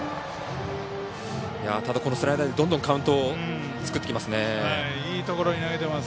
このスライダーでどんどんカウント作ってきます。